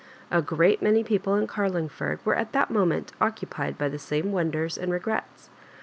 A great many people in Carlingford were at that moment occupied by the same wondere and regrets.